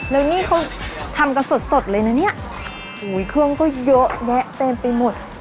แล้วนี่เขาทำกันสดสดเลยนะเนี่ยอุ้ยเครื่องก็เยอะแยะเต็มไปหมด